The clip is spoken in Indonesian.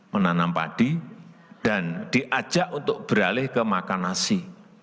menanam padi dan diajak untuk beralih ke makan nasi